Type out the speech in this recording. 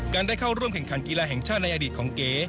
ได้เข้าร่วมแข่งขันกีฬาแห่งชาติในอดีตของเก๋